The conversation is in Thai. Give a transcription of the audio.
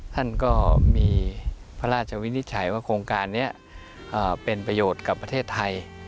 ท่านก็มีพระราชวินิจฉัยว่าโครงการนี้เป็นประโยชน์กับประเทศไทย